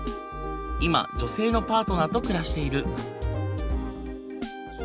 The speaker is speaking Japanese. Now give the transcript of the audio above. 今女性のパートナーと暮らしている。